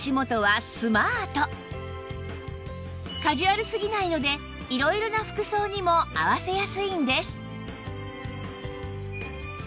カジュアルすぎないので色々な服装にも合わせやすいんです